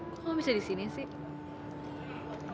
kok kamu bisa di sini sih